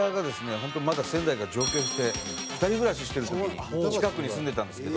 本当にまだ仙台から上京して２人暮らししてる時に近くに住んでたんですけど。